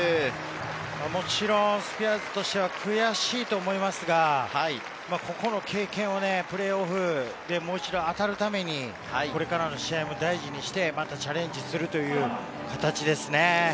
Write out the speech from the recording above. もちろん、スピアーズとしては悔しいと思いますが、この経験をプレーオフでもう一度当たるために、これからも試合も大事にして、チャレンジするという形ですね。